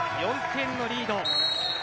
４点のリード。